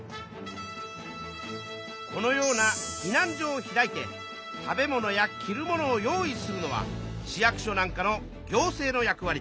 このような避難所を開いて食べ物や着る物を用意するのは市役所なんかの行政の役わりだな。